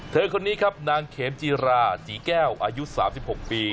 คนนี้ครับนางเขมจีราศรีแก้วอายุ๓๖ปี